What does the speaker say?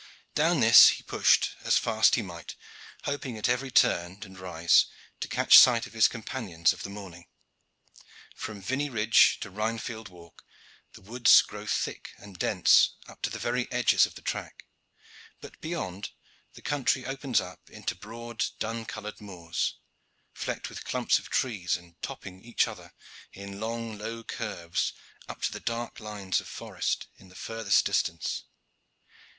Down this he pushed as fast as he might, hoping at every turn and rise to catch sight of his companions of the morning. From Vinney Ridge to Rhinefield Walk the woods grow thick and dense up to the very edges of the track, but beyond the country opens up into broad dun colored moors, flecked with clumps of trees, and topping each other in long, low curves up to the dark lines of forest in the furthest distance.